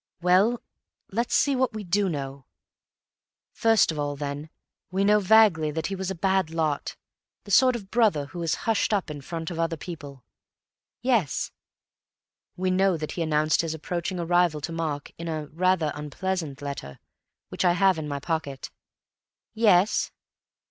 "Well, let's see what we do know. First of all, then, we know vaguely that he was a bad lot—the sort of brother who is hushed up in front of other people." "Yes." "We know that he announced his approaching arrival to Mark in a rather unpleasant letter, which I have in my pocket." "Yes."